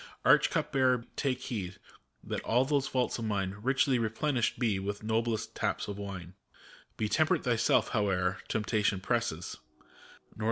Arch Cup Bearer, take heed, that all those vaults of mine Richly replenished be with noblest taps of wine